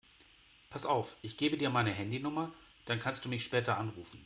Pass auf, ich gebe dir meine Handynummer, dann kannst du mich später anrufen.